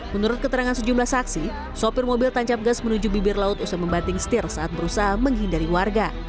menurut keterangan sejumlah saksi sopir mobil tancap gas menuju bibir laut usai membanting setir saat berusaha menghindari warga